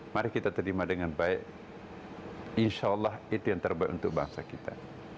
mari kita terima dengan baik insya allah itu yang terbaik untuk bangsa kita